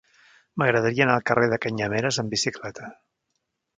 M'agradaria anar al carrer de Canyameres amb bicicleta.